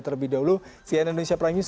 terlebih dahulu cnn indonesia prime news